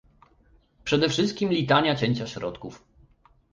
Przede wszystkim litania cięcia środków